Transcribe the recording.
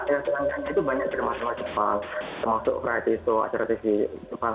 yang terang terangnya itu banyak drama drama jepang termasuk friday show acara tv jepang